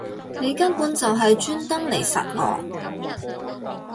你根本就係專登嚟????實我